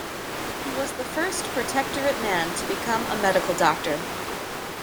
He was the first Protectorate man to become a medical doctor.